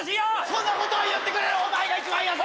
そんなことを言ってくれるお前が一番優しいよ！